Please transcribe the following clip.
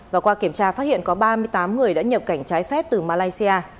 và qua kiểm tra phát hiện có ba mươi tám người đã nhập cảnh trái phép từ malaysia